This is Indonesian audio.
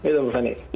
itu pak fani